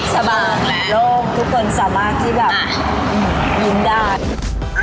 สบายโล่งทุกคนสามารถที่แบบยิ้มได้